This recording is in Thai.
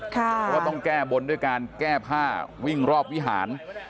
เพราะว่าต้องแก้บนด้วยการแก้ผ้าวิ่งรอบวิหาร